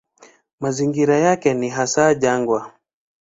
Mazingira yake ni hasa jangwa.